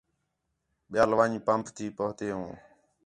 ٻِیال وَن٘ڄ پمپ تی پُہن٘تے ہوں